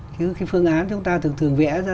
chứ cái phương án chúng ta thường vẽ ra